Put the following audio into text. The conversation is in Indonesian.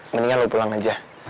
mendingan lo pulang aja